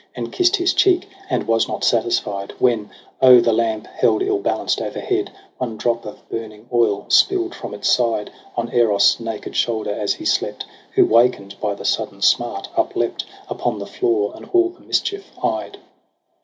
And kisst his cheek, and was not satisfied : When, O the lamp, held ill balanced o'erhead, One drop of burning oil spill'd from its side On Eros' naked shoulder as he slept. Who waken'd by the sudden smart uplept Upon the floor, and all the mischief eyed.